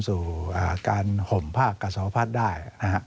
สู่อาการห่มภาคกระซอบภาษย์ได้